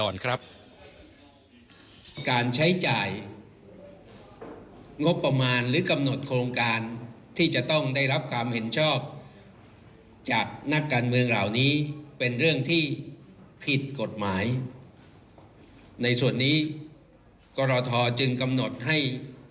การใช้จ่ายงบประมาณหรือกำหนดโครงการที่จะต้องได้รับความเห็นชอบจากนักการเมืองเหล่านี้เป็นเรื่องที่ผิดกฎหมายในส่วนนี้กรทจึงกำหนดให้